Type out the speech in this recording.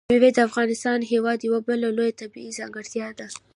مېوې د افغانستان هېواد یوه بله لویه طبیعي ځانګړتیا ده.